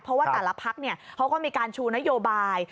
เพราะว่าแต่ละพักเขาก็มีการชูนโยบาย